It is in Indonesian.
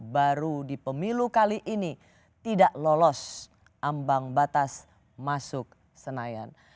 baru di pemilu kali ini tidak lolos ambang batas masuk senayan